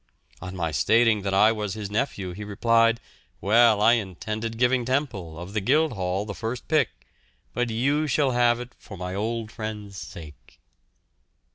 On my stating that I was his nephew, he replied, "Well, I intended giving Temple, of the Guildhall, the first pick, but you shall have it for my old friend's sake."